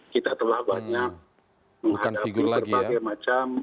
kita telah banyak menghadapi berbagai macam